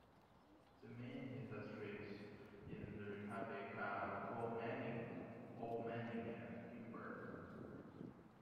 The main industries in the republic are coal mining, ore mining and timber.